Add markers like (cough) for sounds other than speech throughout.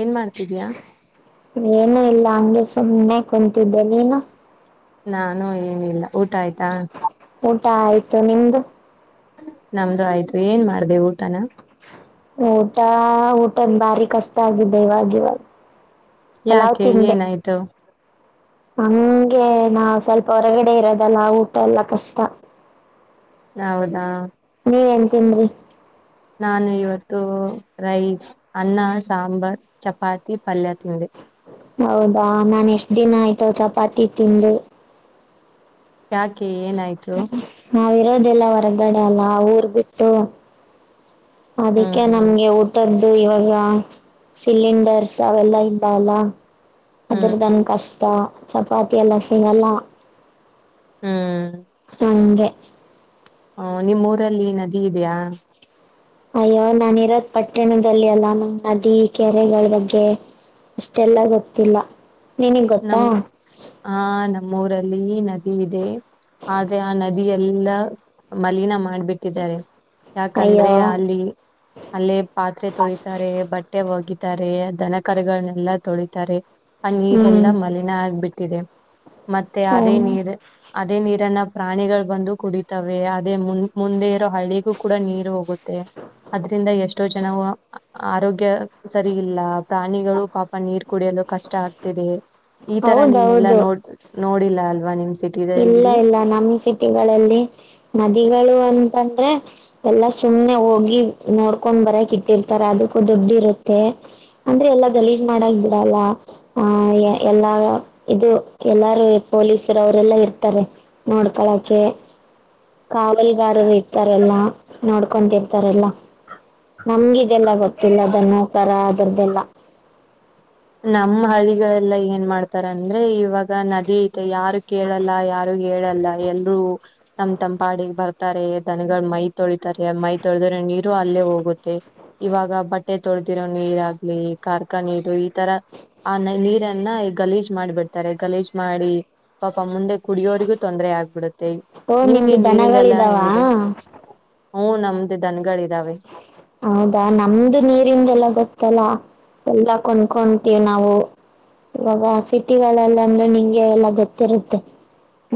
ಏನ್ ಮಾಡ್ತಿದ್ಯಾ ಏನು ಇಲ್ಲ ಅ (unintelligible) ಸುಮ್ಮನೆ ಕುಂತಿದ್ದ ನೀನು ನಾನು ಏನಿಲ್ಲ ಊಟ ಆಯ್ತಾ ಊಟ ಆಯ್ತು ನಿಮ್ದು ನಮ್ದು ಆಯ್ತು ಏನ್ ಮಾಡ್ದ ಊಟನ ಊಟ ಊಟನ್ ಭಾರಿ ಕಷ್ಟ ಆಗಿದೆ ಇವಾಗ ಇವಾಗ ಪಲಾವ್ ಯಾಕೆ ತಿಂದೆ ಏನಾಯ್ತು. ಹಂಗೆ ನಾ ಸ್ವಲ್ಪ ಹೊರಗಡೆ ಇರೋದಲ್ಲ ಊಟ ಎಲ್ಲಾ ಕಷ್ಟ. ಹೌದಾ. ನೀವೇನ್ ತಿನ್ರಿ ನಾನು ಇವತ್ತು ರೈಸ್ ಅನ್ನ ಸಾಂಬಾರ್ ಚಪಾತಿ ಪಲ್ಯ ತಿಂದೆ. ಹೌದಾ ನನ್ ಎಷ್ಟ್ ದಿನ ಆಯ್ತಾವ ಚಪಾತಿ ತಿಂದು. ಯಾಕೆ ಏನಾಯ್ತು. ಹ. ನಾವ್ರೋದೆಲ್ಲ ಹೊರಗಡೆ ಅಲ್ಲ ಊರ್ ಬಿಟ್ಟು. ಅದಕ್ಕೆ ಹ್ಮ್ ನಮ್ಗೆ ಊಟದ್ದ. ಇವಾಗ ಸಿಲಿಂಡರ್ಸ್ ಅವೆಲ್ಲಾ ಇದ್ದ ಅಲ್ಲ. ಹ್ಮ್ ಅದರದಾನ ಕಸ್. ಚಪಾತಿ ಎಲ್ಲ ಸಿಗಲ್ಲ. ಹ್ಮ್. ಹಂಗೆ. ಹ ನಿಮ್ಮ್ ಊರಲ್ಲಿ ನದಿ ಇದೆಯಾ. ಅಯ್ಯೋ ನಾನ ಇರೋದ್ ಪಟ್ಟಣದಲ್ಲಿ ಅಲ್ಲ ನಮ್ಮ್ ನದಿ ಕೆರೆಗಳ ಬಗ್ಗೆ ಅಷ್ಟೆಲ್ಲ ಗೊತ್ತಿಲ್ಲ. ನಿನಗ್ ನಮ ಗೊತ್ತಾ ಹಾ ನ. ಮೂರಲ್ಲಿ ನದಿ ಇದೆ ಆದ್ರೆ ಆ ನದಿ ಎಲ್ಲಾ ಮಲಿನ ಮಾಡ್ಬಿಟ್ಟಿದ್ದಾರೆ. ಅಯ್ಯೋ ಯಾಕಂದ್ರೆ ಅಲ್ಲಿ ಅಲ್ಲೇ ಪಾತ್ರೆ ತೊಳಿತಾರೆ ಬಟ್ಟೆ ಹೋಗಿ. ದನ ಕರೆಗಳನೆೆಲ್ಲ ತೊಳಿತಾರೆ. ಎಲ್ಲ ಹ್ಮ್ ಮಲಿನ ಆಗ್ಬಿಟ್ಟು. ತಿದೆ. ಮತ್ತೆ ಅದೇ ಹ್ಮ್ ನೀರೇ. ಅದೇ ನೀರನ್ನ ಪ್ರಾಣಿಗಳು ಬಂದು ಕುಡಿತವೆ ಅದೇ ಮುನ್ ಮುಂದೆ ಇರೋ ಹಳ್ಳಿಗೂ ಕೂಡ ನೀರು ಹೋಗುತ್ತೆ ಅದ್ರಿಂದ ಎಷ್ಟೋ ಜನವು ಆರೋಗ್ಯ ಸರಿ ಇಲ್ಲ. ಪ್ರಾಣಿಗಳು ಪಾಪ ನೀರು. ಕುಡಿಯಲು ಕಷ್ಟ ಆಗ್ತ. ತಿದೆ. ಈ ತರ ನೀನೆಲ್ಲಾ ಹೌದೌದು ನೋಡ್ ನೋಡಿಲ್ಲ ಅಲ್. ಒನ್ನಿಮಿಷ. ಇಲ್ಲ ಇಲ್ಲ ನಮ್ಮ ಸಿಟಿಗಳಲ್ಲಿ ನದಿಗಳು ಅಂತ. ತಂದ್ರೆ ಎಲ್ಲಾ ಸುಮ್ಮ್ನೆ ಹೋಗಿ ನೋಡ್ಕೊಂಡ್ ಬರಕ್ ಇಟ್ಟಿರ್ತಾರ ಅದಕ್ಕೂ ದುಡ್ಡಿ ಇರುತ್ತೆ ಅಂದ್ರೆ ಎಲ್ಲಾ ಗಲೀಜ್ ಮಾಡಕ್ ಬಿಡಲ್ಲ ಆ ಎಲ್ಲಾ ಇದು ಎಲ್ಲಾರೂ ಪೊಲೀಸರು. ಎಲ್ಲಾ ಇರ್ತಾರೆ ನೋಡ್ಕಳಕೆ. ಪಾಳೇಗಾರರು ಇರ್ತಾರೆಲ್ಲಾ ನೋಡ್ಕೊಂಡ್ ತಿರ್ತಾರೆ ಎಲ್ಲ ನಮಗೆ. ಎಲ್ಲ ಗೊತ್ತಿಲ್ಲ ಅದ ನಕರ. ಗಬಲ್ಲ. ನಮ್ಮ ಹಳ್ಳಿಗಳೆಲ್ಲ ಏನ್ ಮಾಡುತಾರೆ ಅಂದ್ರೆ ಇವಾಗ ನದಿ. ತು ಯಾರು ಕೇಳಲ್ಲ ಯಾರು. ಹೇಳಲ್ಲ ಎಲ್ಲರೂ ತಮ್ ತಂಪಾಡಿಗೆ ಬರ್ತಾರೆ ದನಗಳು ಮೈ ತೊಳಿತಾರೆ ಮೈ ತೊಳೆದ್ರೆ ನೀರು ಅಲ್ಲೇ ಹೋಗುತ್ತೆ ಇವಾಗ ಬಟ್ಟೆ ತೊಳೆದಿರೋ ನೀರ ಆಗ್ಲಿ ಕಾರ್ಖಾನೆ ಇದು ತರ ಆ ನೀರನ್ನ ಗಲೀಜ್ ಮಾಡಿ ಬಿಡ್ತಾರೆ ಗಲೀಜ್ ಮಾಡಿ ಪಾಪ ಮುಂದೆ ಕುಡಿಯೋರಿಗೂ ತೊಂದರೆ ಆಗ್ಬಿಡುತ್ತೆ ಓ ನಿಮ್ಗೆ ನಿಮ್ದು ದನಗಳಿದಾವ ಹ್ಮ ನಮ್ದು ದನ್ಗಳ ಇದ್ದಾವೆ ಹೌದಾ ನಮ್ದು ನೀರಿಂದ ಎಲ್ಲ ಗೊತ್ತಲ್ಲ ಎಲ್ಲ ಕೊಂಡ್ಕೊಂತೀವಿ ನಾವು ಇವಾಗ ಸಿಟಿಗಳಲ್ಲ ಅಂದ್ರೆ ನಿಂಗೆ ಎಲ್ಲಾ ಗೊತ್ತಿರುತ್ತೆ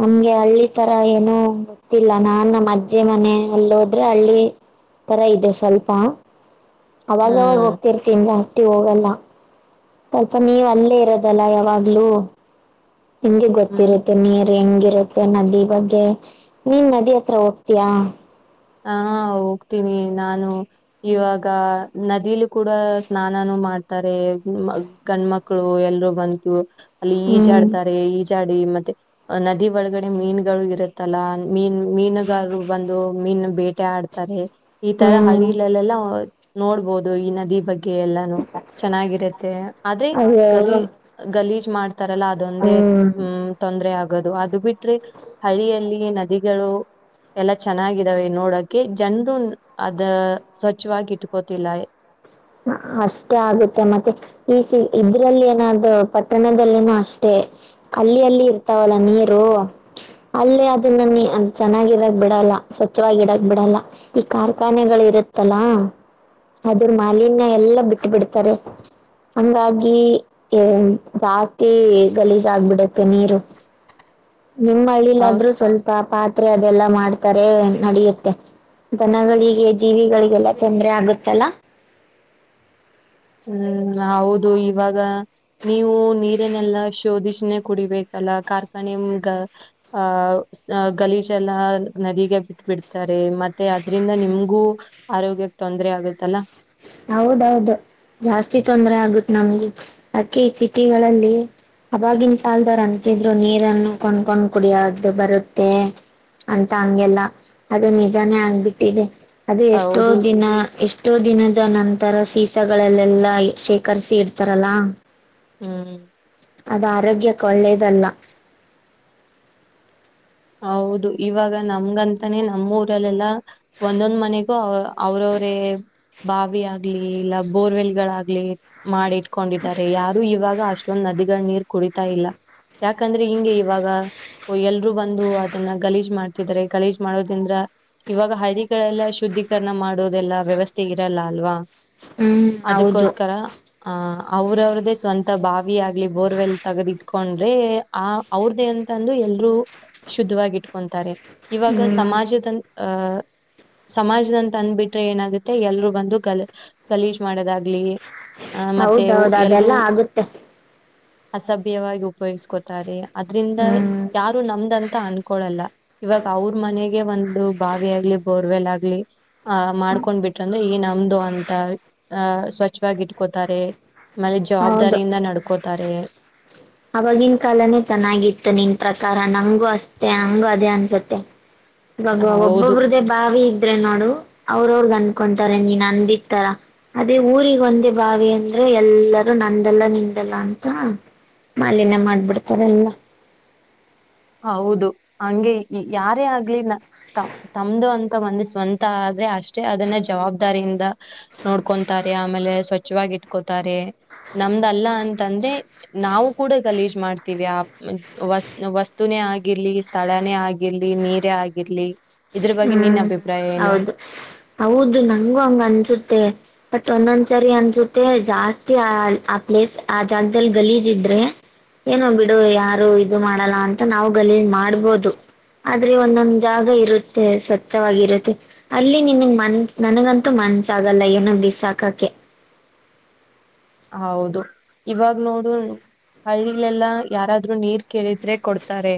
ನಮ್ಗೆ ಹಳ್ಳಿ ತರ ಏನೋ ಗೊತ್ತಿಲ್ಲ ನಾನ್ ನಮ್ಮ ಅಜ್ಜಿ ಮನೆ ಅಲ್ಲ ಹೋದ್ರೆ ಹಳ್ಳಿ ತರ ಇದೆ ಸ್ವಲ್ಪ ಅವಾಗವಾಗ ಹ್ಮ್ ಹೋಗ್ತಿರ್ತೀನಿ ತ್ತಿವೋಗಲ್ಲ ಸ್ವಲ್ಪ ನೀವ್ ಅಲ್ಲೇ ಇರೋದಲ್ಲ ಯಾವಾಗ್ಲೂ. ನಿಮ್ಗೆ ಹ್ಮ್ ಗೊತ್ತಿರುತ್ತೆ ನೀಯರ್ ಹೆಂಗಿರುತ್ತೆ ನದಿ ಬಗ್ಗೆ ನೀನ್ ನದಿ ಹತ್ರ ಹೋಗ್ತಿಯಾ. ಹಾ ಹೋಗ್ತೀನಿ ನಾನು ಇವಾಗ ನದಿಲು ಕೂಡ ಸ್ನಾನಾನು ಮಾಡ್ತಾರೆ ಗಂಡ್ಮಕ್ಳು ಎಲ್ರೂ ಬಂದು. ಅಲ್ಲಿ ಈಜಾ ಹ್ಮ್ ಆಡ್ತಾರೆ ಈಜ್ ಗಾಡಿ ಮತ್ತೆ ನದಿ ಒಳಗಡೆ ಮೀನುಗಳು ಇರುತ್ತಲ್ಲ ಮೀನ್ ಮೀನುಗಾರರು ಬಂದು ಮೀನ್ ಬೇಟೆ ಆಡ್ತಾರೆ. ಈ ತರ ಹ್ಮ್ ಹಳಿಗಳ್ಲೆಲ್ಲ ನೋಡ್ಬೋದು ಈ ನದಿ ಬಗ್ ಎಲ್ಲಾನು ಚೆನ್ನಾಗಿರುತ್ತೆ ಆದ್ರೆ ಅಯ್ಯೋ ಗಲಿ ಗಲೀಜ್ ಮಾಡ್ತಾರಲ್ಲ ಅದೊಂದೇ ಹ್ಮ್ ಉ ತೊಂದ್ರರೆ ಆಗ್ ಗದು ಅದು ಬಿಟ್ ಟ್ರ್ ಹಳಿಯಲ್ಲಿ ಈ ನದಿಗಳು ಎಲ್ಲಾ ಚೆನ್ನಾಗಿ ಇದ್ದಾವೆ ನೋಡಕ್ಕೆ ಜನ್ರು ಅದು ಸ್ವಚ್ಛವಾಗಿ ಇಟ್ಕೋತಿಲ್ಲ. ಅಷ್ಟೇ ಆಗುತ್ತೆ ಮತ್ತೆ ಈ ಇದ್ರಲ್ಲಿ ಏನಾದು ಪಟ್ಟಣದಲ್ಲಿನೂ ಅಷ್ಟೇ ಅಲ್ಲಿ ಅಲ್ಲಿ ಇರ್ತಾವಲ್ಲ ನೀರು ಅಲ್ಲಿ ಅದನ್ನ ಚೆನ್ನಾಗಿರಕ್ ಬಿಡಲ್ಲ ಸ್ವಚ್ಛವಾಗಿ ಇಡಕ್ ಬಿಡಲ್ಲ ಈ ಕಾರ್ಖಾನೆಗಳು ಇರುತ್ತಲ್ಲ ಅದ್ರು ಮಲಿನ ಎಲ್ಲ ಬಿಟ್ಟ ಬಿಡ್ತಾರೆ ಹಂಗಾಗಿ ಏ ಜಾಸ್ತಿ ಗಲೀಜ್ ಆಗ್ಬಿಡುತ್ತೆ ನೀರು. ನಿಮ್ಮ ಅವ್ ಹಳ್ಳಿಲಾದ್ರೂ ಸ್ವಲ್ಪ ಪಾತ್ ತ್ರೆ ಅದೆಲ್ಲಾ ಮಾಡ್ತಾರೆ ನಡೆಯುತ್ತೆ ದನಗಳಿಗೆ ಜೀವಿಗಳಿಗೆಲ್ಲ ತೊಂದರೆ ಆಗುತ್ ತಲ್ಲ ಹ್ಮ್ ಹೌದ್ ಅದು ಇವಾಗ ನೀವು ನೀರನ್ನೆಲ್ಲಾ ಶೋಧಿಸಿನೆ ಕುಡಿಬೇಕಲ್ಲ ಕಾರ್ಖಾನೆ ಅಹ ಗಲೀಜೆಲ್ಲ ನದಿಗೆ ಬಿಟ್ಟ ಬಿಡ್ತಾರೆ ಮತ್ತೆ ಅದ್ರಿಂದ ನಿಮ್ಗೂ ಆರೋಗ್ಯ ತೊಂದರೆ ಆಗತ್ತಲ್ಲ. ಹೌದೌದು ಜಾಸ್ತಿ ತೊಂದ್ರ ಆಗುತ್ತ ನಮ್ಗೆ ಅಕಿ ಈ ಸಿಟಿಗಳಲ್ಲಿ ಅವಾಗಿನ ಕಾಲದವ್ ಅಂತಿದ್ರು ನೀರನ್ನು ಕೊಂಡ್ಕೊಂಡ್ ಕುಡಿಯೋದು ಬರುತ್ತೆ ಅಂತ ಹಂಗೆಲ್ಲ ಅದು ನಿಜಾನೇ ಆಗ್ಬಿಟ್ಟಿದೆ. ಅದು ಎಷ್ಟೋ ಹೌದು ದಿನ ಎಷ್ ದಿನ ಇದ ನಂತರ ಸೀಸಗಳಲ್ಲೆಲ್ಲಾ ಶೇಖರಿಸಿ ಇಡ್ತಾರಲ್ಲಾ ಹ್ಮ್ ಅದ್ ಆರೋಗ್ಯಕ್ ಒಳ್ಳೇದಲ್ಲ. ಹೌದು ಇವಾಗ ನಮ್ಗಂತಾನೇ ನಮ್ಮ್ ಊರಲ್ಲೆಲ್ಲಾ ಒಂದೊಂದ್ ಮನೆಗೂ ಅವ್ರವ್ರೇ ಬಾವಿ ಆಗ್ಲಿ ಇಲ್ಲ ಬೋರ್ವೆಲ್ಗಳಾಗ್ಲಿ ಮಾಡಿಟ್ ಕೊಂಡಿದ್ದಾರೆ ಯಾರು ಇವಾಗ ಅಶ್ ಷ್ಟೊಂದು ನದಿಗಳ ನೀರ್ ಕುಡಿತಾ ಇಲ್ಲ ಯಾಕಂದ್ರೆ ಹಿಂಗೆ ಇವಾಗ ಓ ಎಲ್ರು ಒಂದು ಅದನ್ನ ಗಲೀಜ್ ಮಾಡ್ತಿದ್ದಾರೆ ಗಲೀಜ್ ಮಾಡೋದಿಂದ್ರ ಇವಾಗ ಹಳ್ಳಿಗಳೆಲ್ಲ ಶುದ್ಧೀಕರಣ ಮಾಡೋದೆಲ್ಲಾ ವ್ಯವಸ್ಥೆ ಇರಲ್ಲ ಅಲ್ವಾ. ಹ್ಮ್ ಹೌದು ಹ ಅವ್ರವ್ರ್ದೇ ಸ್ವಂತ ಭಾ ವಿ ಆಗ್ಲಿ ಬೋರ್ವೆಲ್ ತಗದಿಟ್ಕೋ ಕೊಂಡ್ರೆ ಆ ಅವ್ರ್ದೇ ಅಂತಂದು ಎಲ್ರು ಶುದ್ಧವಾಗಿಟ್ಕೊಂತಾರೆ. ಇವಾಗ ಹ್ಮ್ ಸಮಾಜದನ್ ಅಹ್ ಸಮಾಜದಂತ ಅಂದ್ಬಿಟ್ರೆ ಏನಾಗುತ್ತೆ ಎಲ್ರು ಬಂದು ಗಲ್ ಕಲೀಜ್ ಮಾಡೋದಾಗ್ಲಿ ಆ ಮತ್ತೆ ಹೌದೌದ್ ಎಲ್ರು ಅದೆಲ್ಲ ಆಗುತ್ತೆ. ಅಸಭ್ಯವಾಗಿ ಉಪಯೋಗಿಸ್ಕೊತಾರೆ. ಅದ್ರಿಂದ ಹ್ಮ್ ಯಾವ್ ಒಂದಂತ ಅನ್ಕೊಳಲ್ಲ ಇವಾಗ ಅವ್ರ ಮನೆಗೆ ಒಂದು ಬಾವಿ ಆಗ್ಲಿ ಬೋರ್ವೆಲ್ ಆಗ್ಲಿ ಆ ಮಾಡ್ಕೊಂಡ್ ಬಿಟ್ರಂದ್ರೆ ಈ ನಾವ್ ಮುಂದು ಅಂತ ಅಹ ಸ್ವಚ್ಛವಾಗಿ ಇಟ್ಕೋತಾರೆ. ಆಮೇಲೆ ಹೌದು ಜವಾಬ್ದಾರಿಯಿಂದ ನಡ್ಕೋತಾರೆ ಅವಾಗಿನ ಕಾಲನೇ ಚೆನ್ನಾಗಿತ್ತು ನಿನ್ ಪ್ರ ಕಾರ ನಂಗು ಅಷ್ಟೆ ಹಂಗು ಅದೇ ಅನ್ಸತ್ತೆ. ಇವಾಗ ಹೌದು ಒಬ್ಬೊಬ್ರ್ದೇ ಬಾವಿ ಇದ್ರೆ ನೋಡು ಅವ್ರ ಅವ್ರ ಅಂದ್ಕೊಂತಾರೆ ನೀನ್ ಅಂದಿತ್ತರ ಅದೇ ಊರಿಗೆ ಒಂದೇ ಬಾವಿ ಅಂದ್ರೆ ಎಲ್ಲ ನಂದಲ್ಲ ನಿಮ್ದಲ್ಲ ಅಂತ ಮಾಲಿನ್ಯ ಮಾಡ್ಬಿಡ್ತಾರೆ ಎಲ್ಲ. ಹೌದು ಹಂಗೆ ಯಾರೇ ಆಗ್ಲಿ ತಮ್ದು ಅಂತ ಒಂದು ಸ್ವಂತ ಆದ್ರೆ ಅಷ್ಟೇ ಅದನ್ನ ಜವಾಬ್ದಾರಿಯಿಂದ ನೋಡ್ಕೊಂತಾರೆ ಆಮೇಲೆ ಸ್ವಚ್ಛವಾಗಿ ಇಟ್ಕೋತಾರೆ ನಮ್ದಲ್ಲ ಅಂತಂದ್ರೆ ನಾವು ಕೂಡ ಗಲೀಜ್ ಮಾಡ್ತೀವಿ ಆ ವಸ್ ವಸ್ ತುನೇ ಆಗಿರ್ಲಿ ಸ್ಥಳಾನೇ ಆಗಿರ್ಲಿ ನೀರೇ ಆಗಿರ್ಲಿ ಇದ್ರ ಬಗ್ಗೆ ನಿನ್ ಹ್ಮ್ ಅಭಿಪ್ರಾಯ ಏನು? ಹೌದು ಹೌದು ನಂಗು ಹಂಗ್ ಅನ್ಸುತ್ತೆ ಬಟ್ ಒಂದೊಂದ್ ಸರಿ ಅನ್ಸುತ್ತೆ ಜಾಸ್ತಿ ಆ ಆ ಪ್ಲೇಸ್ ಆ ಜಾಗದಲ್ಲಿ ಗಲೀಜ್ ಇದ್ರೆ ಏನೋ ಬಿಡು ಯಾರು ಇದು ಮಾಡಲ್ಲ ಅಂತ ನಾವು ಗಲೀಜ್ ಮಾಡ್ಬೋದು ಆದ್ರೆ ಒಂನ್ನೊಂದ್ ಜಾಗ ಇರು ತ್ತೆ ಸ್ವಚ್ವಾಗಿರುತ್ತೆ ಅಲ್ಲಿ ನಿನಗ್ ಮನ್ ನನಗಂತೂ ಮನ್ಸ ಆಗಲ್ಲ ಏನು ಬಿಸಾಕಕ್ಕೆ. ಹೌದು ಇವಾಗ ನೋಡು ಹಳ್ಳಿಲೆಲ್ಲಾ ಯಾರಾದ್ರು ನೀರ್ ಕೇಳಿದ್ರೆ ಕೊಡ್ತಾರೆ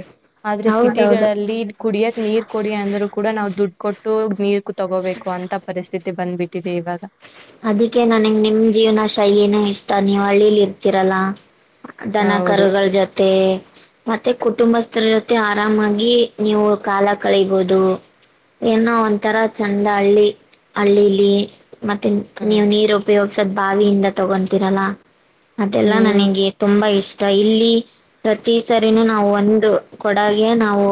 ಆದ್ರೆ ಹೌದೌದು ಸಿಟಿಗಳಲ್ಲಿ ಕುಡಿಯಕ್ ನೀರ್ ಕೊಡಿ ಅಂದ್ರು ಕೂಡ ನಾವು ದುಡ್ಡು ಕೊಟ್ ಟ್ಟು ನೀರ್ ಕ್ ತಗೋಬೇಕು ಅಂತ ಪರಿಸ್ಥಿ ತಿ ಬಂದ್ಬಿಟ್ಟಿದೆ ಇವಾಗ ಅದಕ್ಕೆ ನನ್ಗ್ ನಿಮ್ ಜೀವನ ಶೈಲಿನೆ ಇಷ್ಟ ನೀವ್ ಹಳ್ಳಿಲಿ ಇರ್ತೀರಲ್ಲ. ದನ ಹೌದು ಕರುಗಳ ಜೊತೆ ಮತ್ತೆ ಕುಟುಂಬಸ್ ಸ್ಥರ್ ಜೊತೆ ಆರಾಮಾಗಿ ನೀವು ಕಾಲ ಕಳಿಬೋದು ಏನೋ ಒಂತರ ಚಂದ ಹಳ್ಳಿ ಹಳ್ಳಿಲಿ ಮತ್ತೆ ಹ್ಮ್ ನೀವು ನೀರು ಉಪಯೋಗ್ ಸದ್ ಬಾವಿಯಿಂದ ತಗೊಂತೀರಲ್ಲ ಅದೆಲ್ಲಾ ಹ್ಮ್ ನನಗೆ ತುಂಬಾ ಇಷ್ ಇಲ್ಲಿ ಪ್ರತಿ ಸರಿನೂ ನಾವು ಒಂದು ಕೊಡಗೆ ನಾವು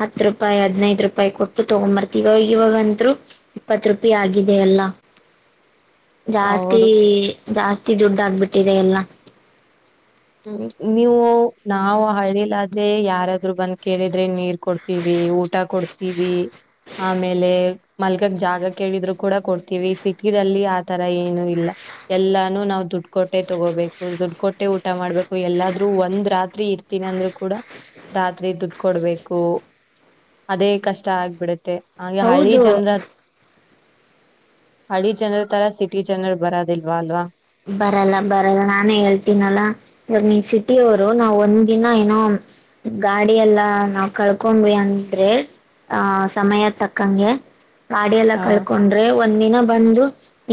ಹತ್ ರೂಪಾಯಿ ಹದ್ನೈದು ರೂಪಾಯಿ ಕೊಟ್ಟು ತಗೊಂಬರ್ತಿವಿ ಇವಾಗ ಇವಾಗಂದ್ರು ಇಪ್ಪತ್ ರೂಪಾಯಿ ಆಗಿದೆ ಎಲ್ಲ. ಜಾಸ್ತಿ ಹೌದು. ಜಾಸ್ತಿ ದುಡ್ಡ ಆಗ್ಬಿಟ್ಟಿದೆ ಎಲ್ಲ. ಹ್ಮ್ ನೀವು ನಾವು ಹಳ್ಳಿಲ್ಲಾದ್ ಅದೆ ಯಾರಾದ್ರು ಬಂದ್ ಕೇಳಿದ್ರೆ ನೀರ್ ಕೊಡ್ತೀವಿ ಊಟ ಕೊಡ್ ವಿ ಆಮೇಲೆ ಮಲ್ಗಕ್ ಜಾಗ ಕೇಳಿದ್ರು ಕೂಡ ಕೊಡ್ತೀವಿ ಸಿಟಿದಲ್ಲಿ ಆ ತರ ಏನು ಇಲ್ಲ ಎಲ್ಲಾನು ನಾವ್ ದುಡ್ ಕೊಟ್ಟೆ ತಗೋಬೇಕು ದುಡ್ ಕೊಟ್ಟೆ ಊಟ ಮಾಡ್ಬೇಕು ಎಲ್ಲಾದ್ರೂ ಒಂದ್ ರಾತ್ರಿ ಇರ್ತೀನಿ ಅಂದ್ರರು ಕೂಡ ರಾತ್ರಿ ದುಡ್ ಕೊಡ್ಬೇಕು ಅದೇ ಕಷ್ಟ ಆಗ್ಬಿಡತ್ತೆ ಹಾಗೆ ಹಳ್ಳಿ ಹೌದು ಜನ್ರ ಅಡಿ ಜನರ ತರ ಸಿಟಿ ಜನರು ಬರೋದಿಲ್ವಾ ಅಲ್ವಾ ಬರಲ್ಲ ಬರಲ್ಲ ನಾನೇ ಹೇಳ್ತೀನಲ್ಲ ಇವಾಗ ನಿನ್ ಸಿಟಿ ಅವರು ನಾವ್ ಒಂದ ದಿನ ಏನೋ ಗಾಡಿ ಎಲ್ಲಾ ನಾವ್ ಕಳ್ಕೊೊಂಡ್ವಿ ಅಂದ್ರೆ ಆಹ ಸಮಯ ತಕ್ಕಂಗೆ ಗಾಡಿ ಎಲ್ಲ ಹ ಕಳ್ಕೊಂಡ್ರೆ ಒಂದ್ ದಿನ ಬಂದು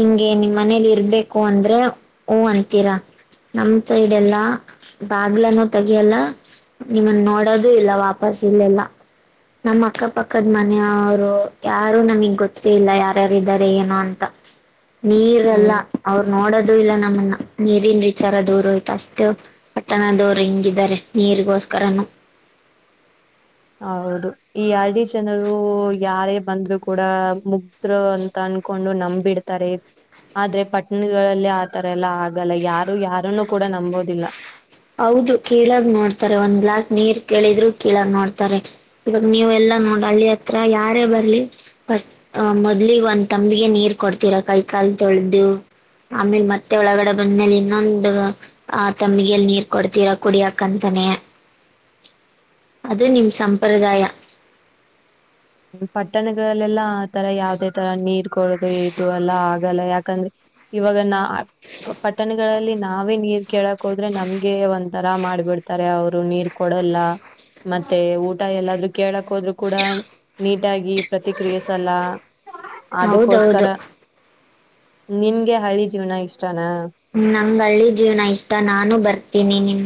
ಇಂಗೆ ನಿಮ್ ಮನೇಲಿ ಇರ್ಬೇಕು ಅಂದ್ರೆ ಮ ಹೂ ಅಂತೀರ ನಮ ಸೈಡ್ ಎಲ್ಲಾ ಬಾಗ್ಲನುೂ ತಗಿಯಲ್ಲ ನಿಮ್ಮನ್ನ ನೋಡೋದು ಇಲ್ಲ ವಾಪಸ್ ಇಲ್ಲೆಲ್ಲ ನಮ್ಮ್ ಅಕ್ಕ ಪಕ್ಕದ ಮನೆಯವರು ಯಾರು ನಮಗ್ ಗೊತ್ತೇ ಇಲ್ಲ ಯಾರ್ಯಾರಾರೆ ಏನೋ ಅಂತ ನೀರ್ಲ್ಲ ಹ್ಮ್ ಅವರು ನೋಡದು ಇಲ್ಲ ನೀರಿನ್ ವಿಚಾರ ದೂರು ಆಯ್ತು ಅಷ್ಟು ಪಟ್ಟಣದವರು ಹಿಂಗಾರೆ ನೀರ್ಗೋಸ್ಕರನು ಹೌದು ಈ ಆರ್ ಡಿ ಚನಲ್ ಯಾರೇ ಬಂದ್ರು ಕೂಡ ಮುಗ್ದರು ಅಂತ ಅನ್ಕೊಂಡು ನಂಬಿಡ್ತಾರೆ ಆದ್ರೆ ಪಟ್ಟಣಿಲ್ಲ ಆತರ ಎಲ್ಲ ಆಗಲ್ಲ ಯಾರು ಯಾರನ್ನು ಕೂಡ ನಂಬೋದಿಲ್ಲ ಹೌದು ಕೀಳಾಗ ನೋಡ್ತಾರೆ ಒಂದ್ ಗ್ಲಾಸ್ ನೀರ್ ಕೇಳಿದ್ರು ಕೀಳಾಗ ನೋಡ್ತಾರೆ ಇವಾಗ ನೀವು ಎಲ್ಲಾ ನೋಡ ಹಳ್ಳಿ ಹತ್ರ ಯಾರೇ ಬರ್ಲಿ ಫಸ್ಟ್ ಮೊದ್ಲಿಗೆ ಒಂದ್ ತಂಬಿಗೆ ನೀರ್ ಕೊಡ್ತೀರ ಕೈ ಕಾಲ್ ತೊಳೆದದು ಆಮೇಲೆ ಮತ್ತೆ ಒಳಗಡೆ ಬಂದ್ಮೇಲೆ ಇನ್ನೊಂದು ಆ ತಂಬಿಗೆಲ್ಲಿ ನೀರ್ ಕೊಡ್ತೀರ ಕುಡಿಯಕಂತಾನೆ ಅದು ನಿಮ್ ಸಂಪ್ರದಾಯ ಹ್ಮ ಪಟ್ಟಣಗಳಲ್ಲೆಲ್ಲಾ ರ ಯಾವದೇ ತರ ನೀರ್ ಡೋದು ಇದು ಎಲ್ಲಾ ಯಾಕಂದ್ರೆ ಇವಾಗ ನ ಪಟ್ಟಣಗಳಲ್ಲಿ ನಾವೇ ನೀರ್ ಕೇಳಕ್ ಹೋದ್ರೆ ನಮ್ಗೆ ಒಂಂತರ ಮಾಡ್ಬಿಡ್ತಾರೆ ಅವರು ನೀರ್ ಕೊಡಲ್ಲ ಮತ್ತೆ ಊಟ ಎಲ್ಲಾದ್ರೂ ಕೇಳ ಕೋದ್ರು ಕೂಡ ನೀಟಾಗಿ ಪ್ರತಿಕ್ರಿಯಿಸಲ್ಲ ಹೌದೌದು ಅದಕ್ಕೋಸ್ಕರ ನಿನ್ಗೆ ಹಳಿ ಜೀವನ ಇಷ್ಟ ಹ್ಮ ನಂಗ ಹಳ್ಳಿ ಜೀವ್ನ ಇಷ್ಟ ನಾನು ಬರ್ತೀನಿ ನಿಮ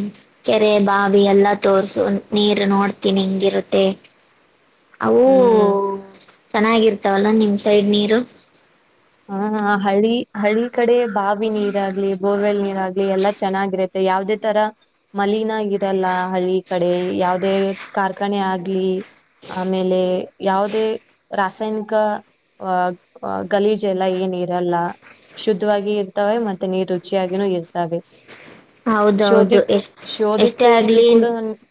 ಕೆರೆ ಬಾವಿ ಎಲ್ಲಾ ತೋರ್ಸು ನೀರು ನೋಡ್ತೀನಿ ಹಿಂಗಿರುತ್ತೆ ಅವು ಹ್ಮ್ ಚೆನ್ನಾಗಿರ್ತಾವಲ್ಲ ನಿಮ್ ಸೈಡ್ ನೀರು ಹಾ ಹಳಿ ಹಳಿ ಕಡೆ ಬಾವಿ ನೀರಾಗಗ್ಲಿ ಬೋರ್ವೆಲ್ ನೀ ಎಲ್ಲ ಚೆನ್ನಾಗಿರತ್ತೆ ಯಾವುದೇ ತರ ಮಲೀನಗ ಇರಲ್ಲ ಹಳ್ಳಿ ಕಡೆ ಯಾವುದೇ ಕಾರ್ಖಾನೆ ಆಗ್ಲಿ ಆಮೇಲೆ ಯಾವುದೇ ರಾಸಾಯನಿಕ ಅಹ ಗಲೀಜ್ ಎಲ್ಲ ಏ ನೀರಲ್ಲ ಶುದ್ಧವಾಗಿ ಇರ್ತವೆೆ ಮತ್ತೆ ನೀರ್ ರುಚಿಯಾಗಿನೂ ಇರ್ತವೆ ಶೋಧಿ ಹೌದೌದು ಎಷ್ಟ ಎಷ್ಟೇ ಶೋಧಿಸದೇ ಇದ್ರು ಆಗ್ಲಿ ಕೂಡ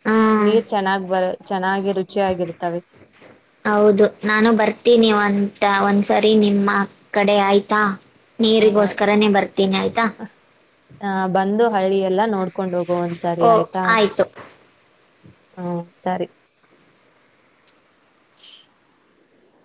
ಹ್ಮ್ ನೀರ್ ಚೆನ್ನಾಗ್ ಬರ ಚೆನ್ನಾಗಿ ರುಚಿಯಾಗಿರ್ತವೆ ಹೌದು ನಾನು ಬರ್ತೀನಿ ಒಂತ ಒಂದ್ ಸರಿ ನಿಮ್ಮ ಕಡೆ ಆಯ್ತಾ ನೀರಿಗೋಸ್ಕರನೇ ಬರ್ತೀನಿ ಆಯ್ತಾ ಹ ಬಂದು ಹಳ್ಳಿ ಎಲ್ಲ ನೋಡ್ಕೊಂಡ್ ಹೋಗೋ ಒಂದ್ಸರಿ ಓ ಆಯ್ತಾ ಆಯ್ತು ಹ್ಮ ಸರಿ (inaudible)